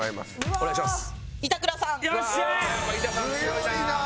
お願いします。